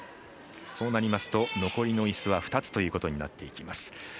そうなりますと、残りのいすは２つとなってきます。